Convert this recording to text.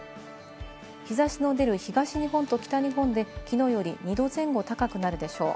日差しの出る東日本と北日本できのうより２度前後、高くなるでしょう。